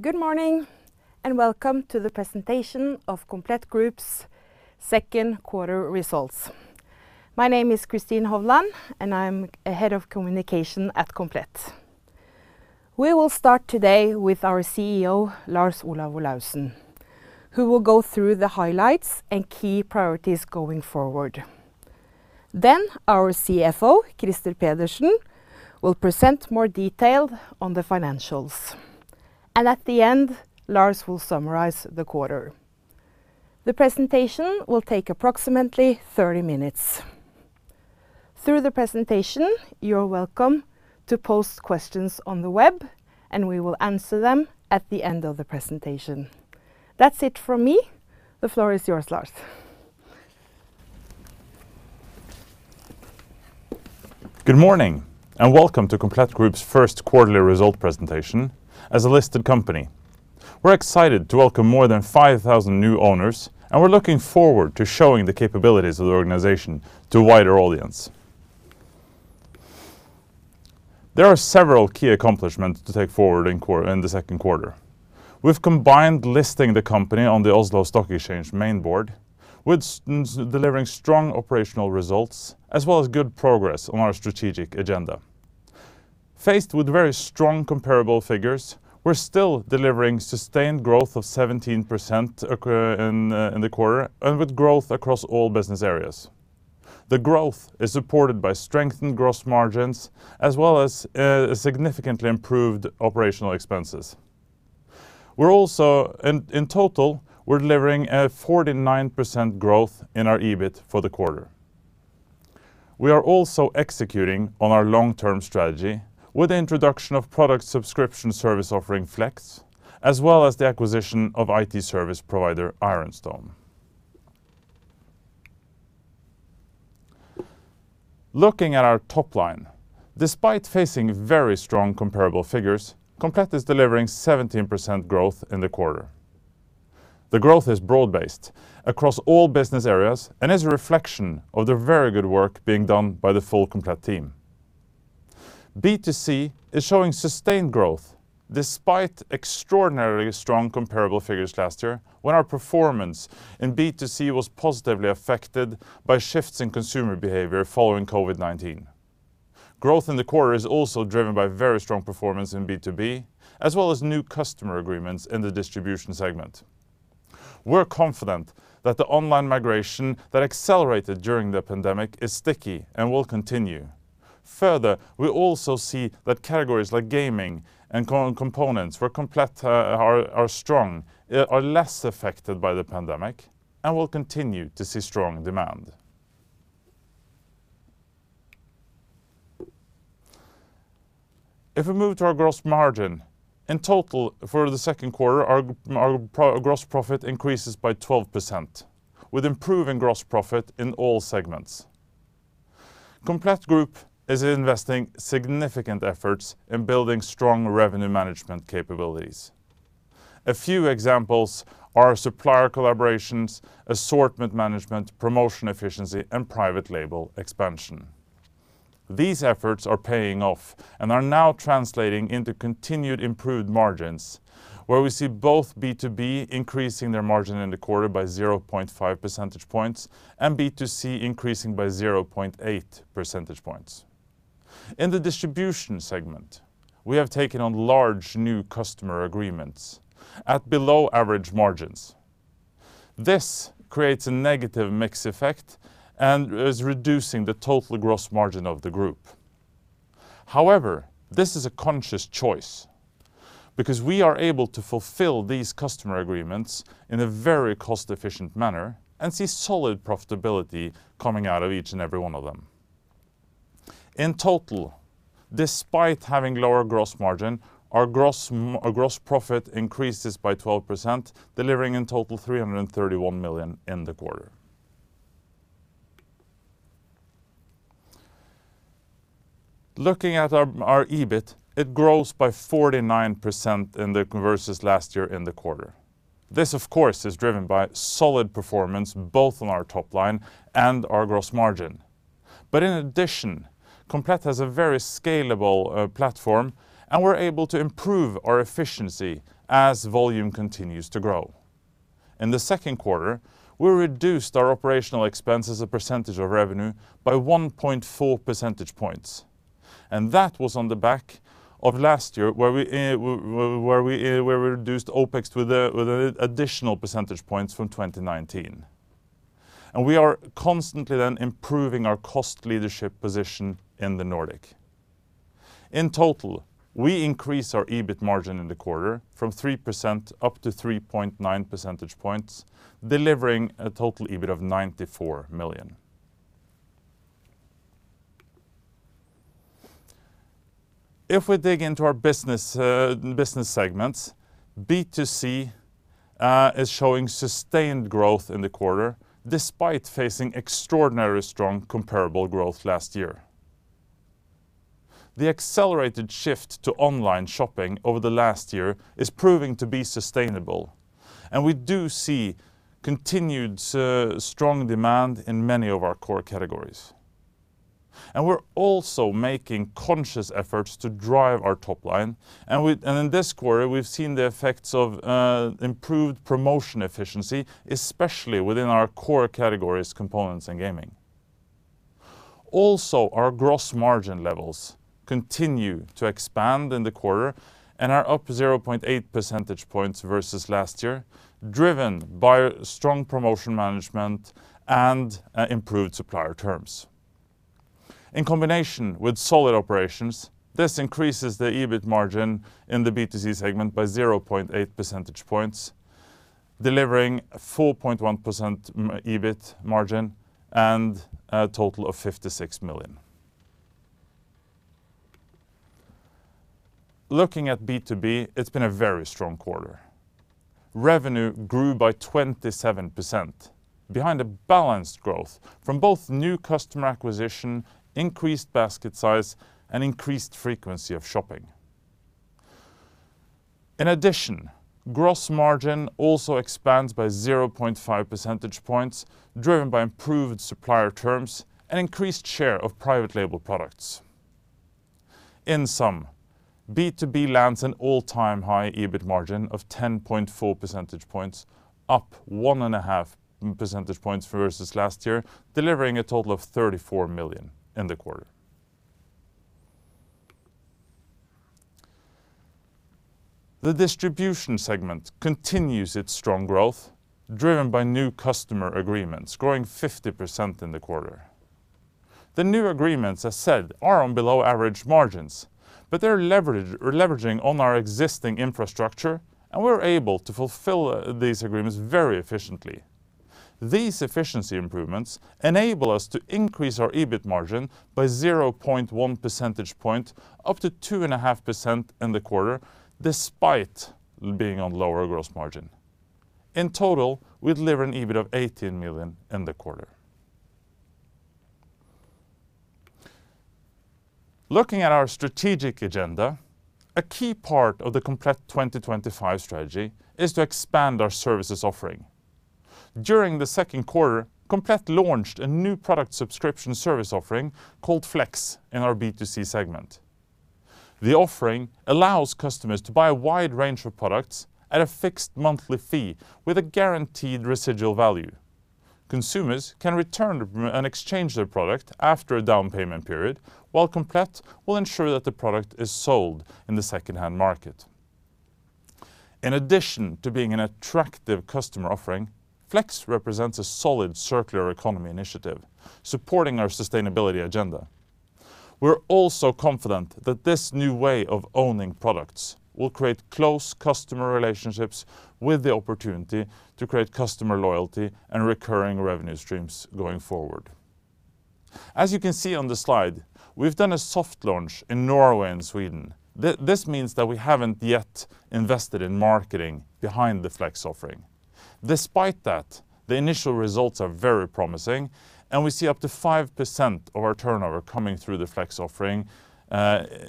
Good morning, and welcome to the presentation of Komplett Group's second quarter results. My name is Kristin Hovland, and I'm Head of Communication at Komplett. We will start today with our CEO, Lars Olav Olaussen, who will go through the highlights and key priorities going forward. Our CFO, Krister Pedersen, will present more detail on the financials. At the end, Lars will summarize the quarter. The presentation will take approximately 30 minutes. Through the presentation, you are welcome to post questions on the web, and we will answer them at the end of the presentation. That's it from me. The floor is yours, Lars. Good morning, welcome to Komplett Group's first quarterly result presentation as a listed company. We're excited to welcome more than 5,000 new owners, and we're looking forward to showing the capabilities of the organization to a wider audience. There are several key accomplishments to take forward in the second quarter. We've combined listing the company on the Oslo Stock Exchange main board with delivering strong operational results, as well as good progress on our strategic agenda. Faced with very strong comparable figures, we're still delivering sustained growth of 17% in the quarter and with growth across all business areas. The growth is supported by strengthened gross margins as well as significantly improved operational expenses. In total, we're delivering a 49% growth in our EBIT for the quarter. We are also executing on our long-term strategy with the introduction of product subscription service offering Flex, as well as the acquisition of IT service provider Ironstone. Looking at our top line, despite facing very strong comparable figures, Komplett is delivering 17% growth in the quarter. The growth is broad-based across all business areas and is a reflection of the very good work being done by the full Komplett team. B2C is showing sustained growth despite extraordinarily strong comparable figures last year, when our performance in B2C was positively affected by shifts in consumer behavior following COVID-19. Growth in the quarter is also driven by very strong performance in B2B, as well as new customer agreements in the distribution segment. We're confident that the online migration that accelerated during the pandemic is sticky and will continue. Further, we also see that categories like gaming and components for Komplett are less affected by the pandemic and will continue to see strong demand. If we move to our gross margin, in total for the second quarter our gross profit increases by 12%, with improving gross profit in all segments. Komplett Group is investing significant efforts in building strong revenue management capabilities. A few examples are supplier collaborations, assortment management, promotion efficiency, and private label expansion. These efforts are paying off and are now translating into continued improved margins, where we see both B2B increasing their margin in the quarter by 0.5 percentage points and B2C increasing by 0.8 percentage points. In the distribution segment, we have taken on large new customer agreements at below-average margins. This creates a negative mix effect and is reducing the total gross margin of the group. However, this is a conscious choice because we are able to fulfill these customer agreements in a very cost-efficient manner and see solid profitability coming out of each and every one of them. In total, despite having lower gross margin, our gross profit increases by 12%, delivering in total 331 million in the quarter. Looking at our EBIT, it grows by 49% versus last year in the quarter. This of course, is driven by solid performance both on our top line and our gross margin. In addition, Komplett has a very scalable platform, and we're able to improve our efficiency as volume continues to grow. In the second quarter, we reduced our operational expense as a percentage of revenue by 1.4 percentage points, and that was on the back of last year, where we reduced OPEX with additional percentage points from 2019. We are constantly then improving our cost leadership position in the Nordic. In total, we increase our EBIT margin in the quarter from 3% up to 3.9 percentage points, delivering a total EBIT of 94 million. If we dig into our business segments, B2C is showing sustained growth in the quarter despite facing extraordinarily strong comparable growth last year. The accelerated shift to online shopping over the last year is proving to be sustainable, and we do see continued strong demand in many of our core categories. We're also making conscious efforts to drive our top line, and in this quarter we've seen the effects of improved promotion efficiency, especially within our core categories, components, and gaming. Also, our gross margin levels continue to expand in the quarter and are up 0.8 percentage points versus last year, driven by strong promotion management and improved supplier terms. In combination with solid operations, this increases the EBIT margin in the B2C segment by 0.8 percentage points, delivering 4.1% EBIT margin and a total of 56 million. Looking at B2B, it's been a very strong quarter. Revenue grew by 27%, behind a balanced growth from both new customer acquisition, increased basket size, and increased frequency of shopping. Gross margin also expands by 0.5 percentage points, driven by improved supplier terms and increased share of private label products. B2B lands an all-time high EBIT margin of 10.4 percentage points, up 1.5 percentage points versus last year, delivering a total of 34 million in the quarter. The Distribution segment continues its strong growth, driven by new customer agreements, growing 50% in the quarter. The new agreements, as said, are on below-average margins, but they're leveraging on our existing infrastructure, and we're able to fulfill these agreements very efficiently. These efficiency improvements enable us to increase our EBIT margin by 0.1 percentage point up to 2.5% in the quarter, despite being on lower gross margin. In total, we deliver an EBIT of 18 million in the quarter. Looking at our strategic agenda, a key part of the Komplett 2025 strategy is to expand our services offering. During the second quarter, Komplett launched a new product subscription service offering called Flex in our B2C segment. The offering allows customers to buy a wide range of products at a fixed monthly fee with a guaranteed residual value. Consumers can return and exchange their product after a down payment period, while Komplett will ensure that the product is sold in the second-hand market. In addition to being an attractive customer offering, Flex represents a solid circular economy initiative supporting our sustainability agenda. We're also confident that this new way of owning products will create close customer relationships with the opportunity to create customer loyalty and recurring revenue streams going forward. As you can see on the slide, we've done a soft launch in Norway and Sweden. This means that we haven't yet invested in marketing behind the Flex offering. Despite that, the initial results are very promising, and we see up to 5% of our turnover coming through the Flex offering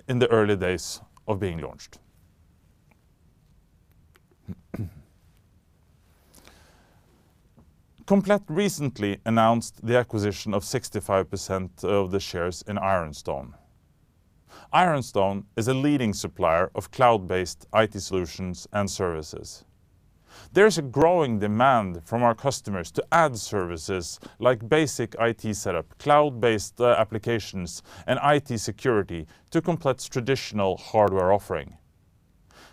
in the early days of being launched. Komplett recently announced the acquisition of 65% of the shares in Ironstone. Ironstone is a leading supplier of cloud-based IT solutions and services. There is a growing demand from our customers to add services like basic IT setup, cloud-based applications, and IT security to Komplett's traditional hardware offering.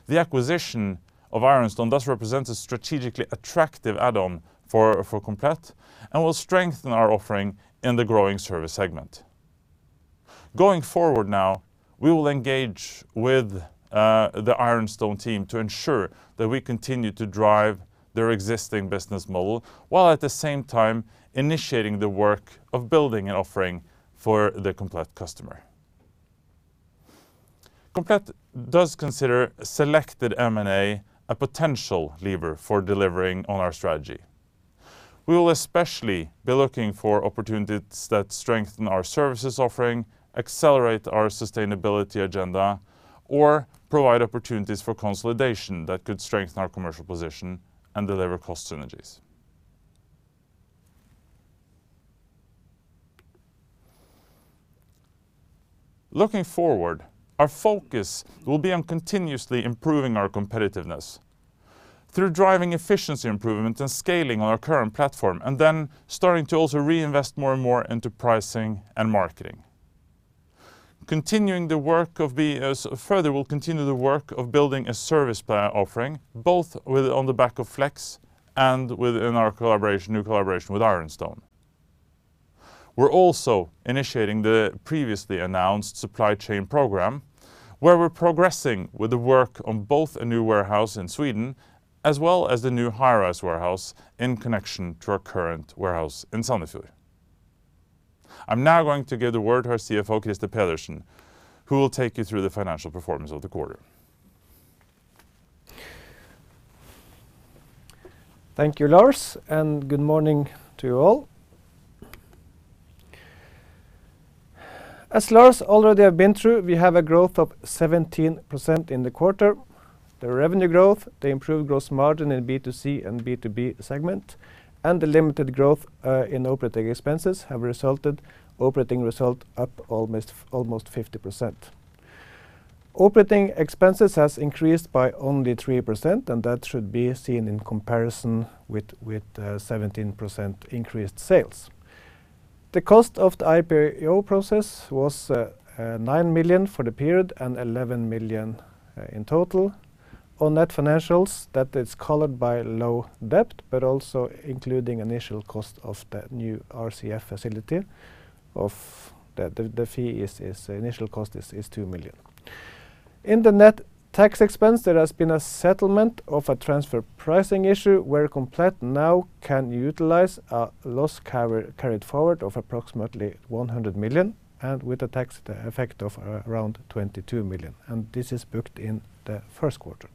The acquisition of Ironstone thus represents a strategically attractive add-on for Komplett and will strengthen our offering in the growing service segment. Going forward now, we will engage with the Ironstone team to ensure that we continue to drive their existing business model, while at the same time initiating the work of building an offering for the Komplett customer. Komplett does consider selected M&A a potential lever for delivering on our strategy. We will especially be looking for opportunities that strengthen our services offering, accelerate our sustainability agenda, or provide opportunities for consolidation that could strengthen our commercial position and deliver cost synergies. Looking forward, our focus will be on continuously improving our competitiveness through driving efficiency improvement and scaling on our current platform, and then starting to also reinvest more and more into pricing and marketing. Further, we'll continue the work of building a service plan offering, both on the back of Flex and within our new collaboration with Ironstone. We're also initiating the previously announced supply chain program where we're progressing with the work on both a new warehouse in Sweden, as well as the new high-rise warehouse in connection to our current warehouse in Sandefjord. I'm now going to give the word to our CFO, Krister Pedersen, who will take you through the financial performance of the quarter. Thank you, Lars, and good morning to you all. As Lars already has been through, we have a growth of 17% in the quarter. The revenue growth, the improved gross margin in B2C and B2B segment, and the limited growth in operating expenses have resulted operating result up almost 50%. Operating expenses has increased by only 3%, and that should be seen in comparison with 17% increased sales. The cost of the IPO process was 9 million for the period and 11 million in total. On net financials, that is colored by low debt, but also including initial cost of the new RCF facility of the fee is initial cost is 2 million. In the net tax expense, there has been a settlement of a transfer pricing issue where Komplett now can utilize a loss carried forward of approximately 100 million and with a tax effect of around 22 million, and this is booked in the first quarter.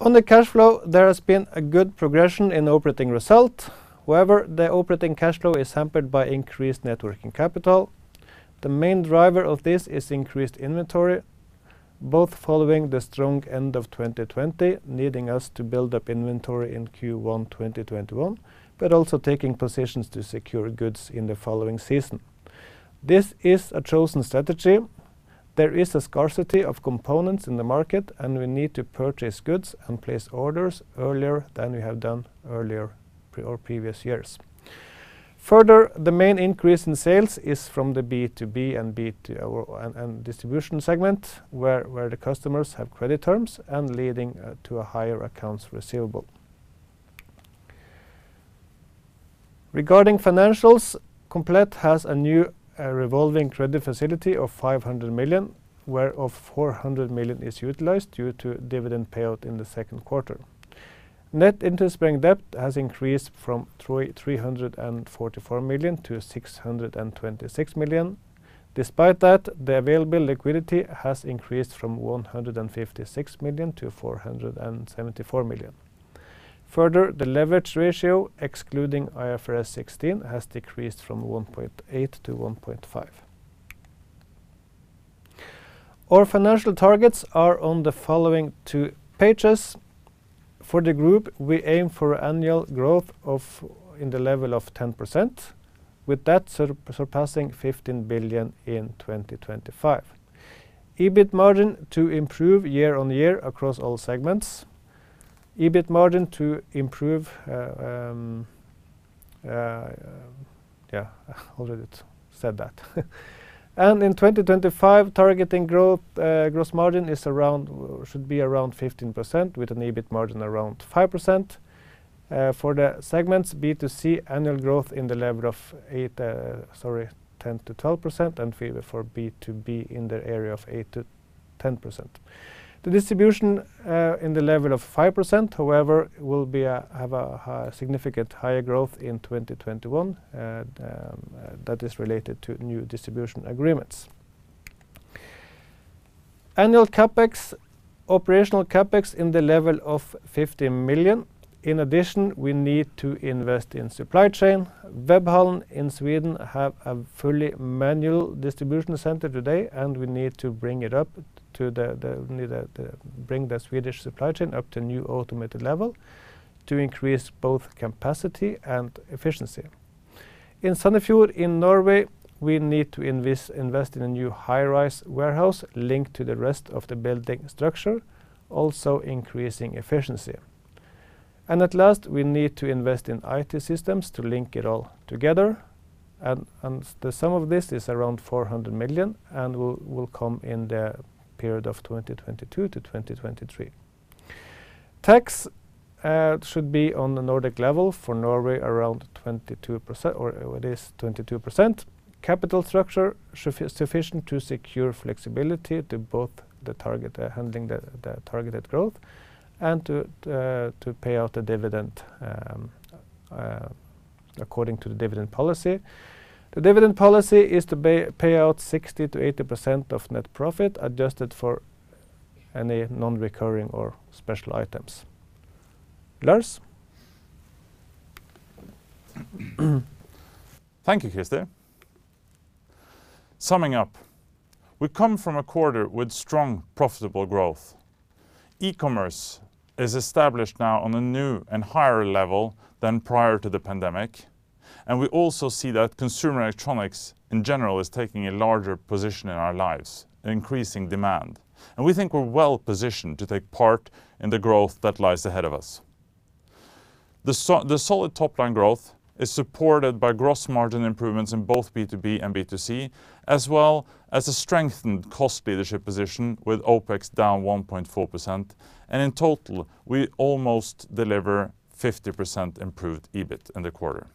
On the cash flow, there has been a good progression in operating result. However, the operating cash flow is hampered by increased net working capital. The main driver of this is increased inventory, both following the strong end of 2020, needing us to build up inventory in Q1 2021, but also taking positions to secure goods in the following season. This is a chosen strategy. There is a scarcity of components in the market, and we need to purchase goods and place orders earlier than we have done earlier or previous years. The main increase in sales is from the B2B and distribution segment, where the customers have credit terms and leading to a higher accounts receivable. Regarding financials, Komplett has a new revolving credit facility of 500 million, where of 400 million is utilized due to dividend payout in the Q2. Net interest-bearing debt has increased from 344 million to 626 million. Despite that, the available liquidity has increased from 156 million to 474 million. The leverage ratio, excluding IFRS 16, has decreased from 1.8x-1.5x. Our financial targets are on the following two pages. For the group, we aim for annual growth in the level of 10%, with that surpassing 15 billion in 2025. EBIT margin to improve year-on-year across all segments. Yeah, already said that. In 2025, targeting growth, gross margin should be around 15%, with an EBIT margin around 5%. For the segments B2C, annual growth in the level of 8%, sorry, 10%-12%, and for B2B in the area of 8%-10%. The distribution in the level of 5%, however, will have a significant higher growth in 2021, and that is related to new distribution agreements. Annual CapEx, operational CapEx in the level of 50 million. In addition, we need to invest in supply chain. Webhallen in Sweden have a fully manual distribution center today, and we need to bring the Swedish supply chain up to new automated level to increase both capacity and efficiency. In Sandefjord in Norway, we need to invest in a new high-rise warehouse linked to the rest of the building structure, also increasing efficiency. At last, we need to invest in IT systems to link it all together. The sum of this is around 400 million and will come in the period of 2022-2023. Tax should be on the Nordic level. For Norway, around 22%, or it is 22%. Capital structure sufficient to secure flexibility to both the target handling the targeted growth and to pay out the dividend according to the dividend policy. The dividend policy is to pay out 60%-80% of net profit, adjusted for any non-recurring or special items. Lars? Thank you, Krister. Summing up, we come from a quarter with strong, profitable growth. E-commerce is established now on a new and higher level than prior to the pandemic, and we also see that consumer electronics, in general, is taking a larger position in our lives, increasing demand. We think we're well-positioned to take part in the growth that lies ahead of us. The solid top-line growth is supported by gross margin improvements in both B2B and B2C, as well as a strengthened cost leadership position with OPEX down 1.4%. In total, we almost deliver 50% improved EBIT in the quarter.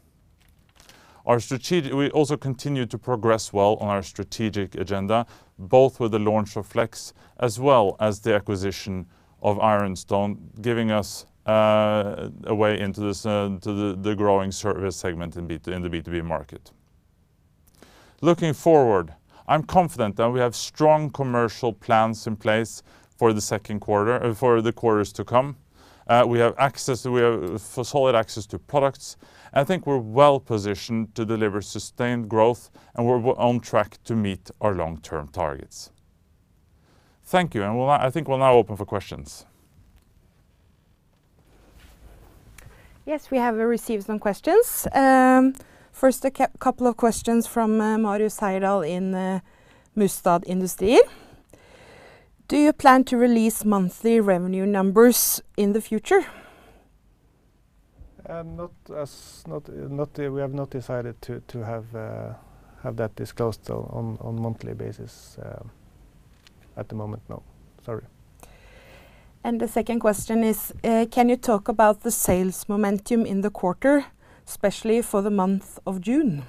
We also continue to progress well on our strategic agenda, both with the launch of Flex as well as the acquisition of Ironstone, giving us a way into the growing service segment in the B2B market. Looking forward, I'm confident that we have strong commercial plans in place for the quarters to come. We have solid access to products. I think we're well-positioned to deliver sustained growth, and we're on track to meet our long-term targets. Thank you. I think we'll now open for questions. Yes, we have received some questions. First, a couple of questions from Mario Seidal in the Mustad Industry. Do you plan to release monthly revenue numbers in the future? We have not decided to have that disclosed on monthly basis at the moment, no. Sorry. The second question is, can you talk about the sales momentum in the quarter, especially for the month of June?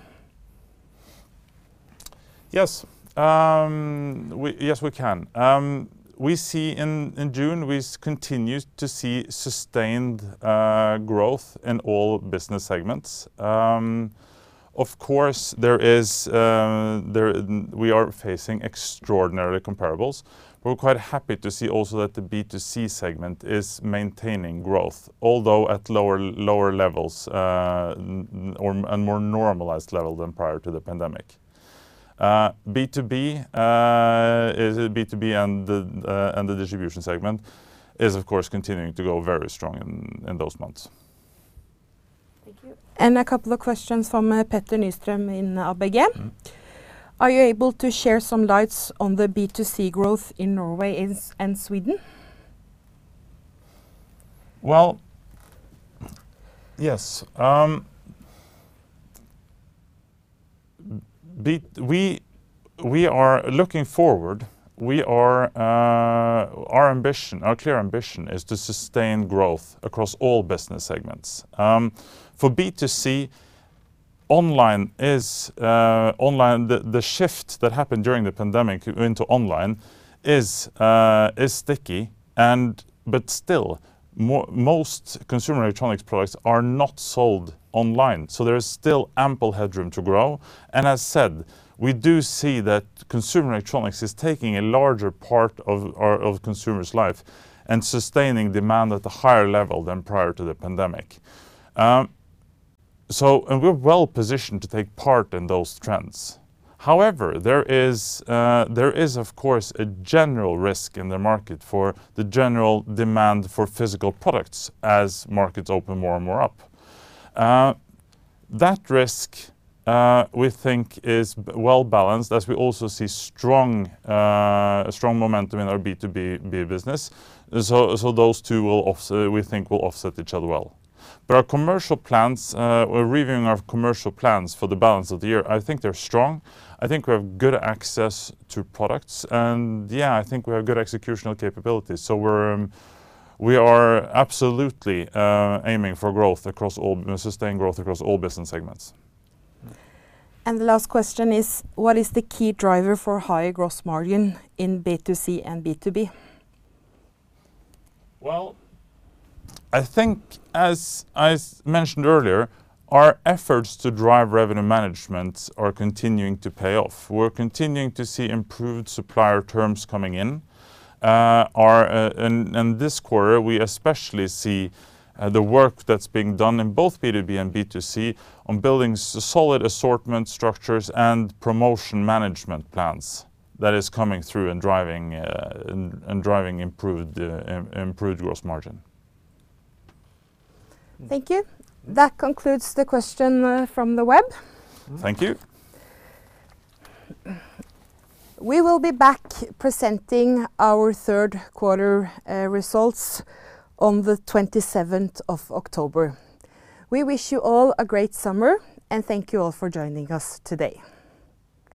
Yes. Yes, we can. In June, we continued to see sustained growth in all business segments. Of course, we are facing extraordinary comparables, but we're quite happy to see also that the B2C segment is maintaining growth, although at lower levels, and more normalized level than prior to the pandemic. B2B and the distribution segment is of course, continuing to go very strong in those months. Thank you. A couple of questions from Petter Nystrøm in ABG. Are you able to share some lights on the B2C growth in Norway and Sweden? Well, yes. Looking forward, our clear ambition is to sustain growth across all business segments. For B2C, the shift that happened during the pandemic into online is sticky, but still, most consumer electronics products are not sold online. There is still ample headroom to grow. As said, we do see that consumer electronics is taking a larger part of consumer's life and sustaining demand at a higher level than prior to the pandemic. We're well positioned to take part in those trends. However, there is of course a general risk in the market for the general demand for physical products as markets open more and more up. That risk, we think, is well balanced as we also see strong momentum in our B2B business. Those two, we think will offset each other well. Our commercial plans, we're reviewing our commercial plans for the balance of the year. I think they're strong. I think we have good access to products. Yeah, I think we have good executional capabilities. We are absolutely aiming for sustained growth across all business segments. The last question is, what is the key driver for higher gross margin in B2C and B2B? Well, I think as mentioned earlier, our efforts to drive revenue management are continuing to pay off. We're continuing to see improved supplier terms coming in. This quarter, we especially see the work that's being done in both B2B and B2C on building solid assortment structures and promotion management plans that is coming through and driving improved gross margin. Thank you. That concludes the question from the web. Thank you. We will be back presenting our third quarter results on the 27th of October 2021. We wish you all a great summer, and thank you all for joining us today.